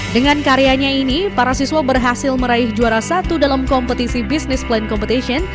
dengan karyanya ini para siswa berhasil meraih juara satu dalam kompetisi business plan competition